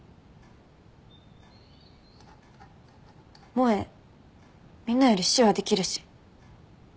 萌みんなより手話できるし。